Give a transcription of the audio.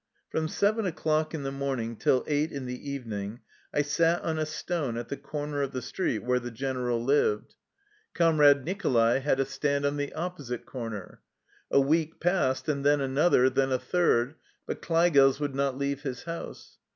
From seven o'clock in the morning till eight in the evening I sat on a stone at the corner of the street where the general lived. Comrade 128 THE LIFE STOEY OF A RUSSIAN EXILE Nicholai had a stand on the opposite corner. A week passed, and then another, then a third, but Kleigels would not leave his house.